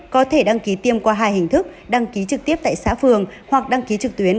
có thể đăng ký tiêm qua hai hình thức đăng ký trực tiếp tại xã phường hoặc đăng ký trực tuyến